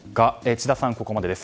智田さんはここまでです。